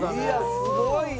すごいな。